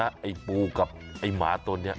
ไอ้ปูกับอันหมาตรงนี้